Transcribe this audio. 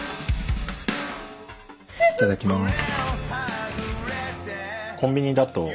いただきます。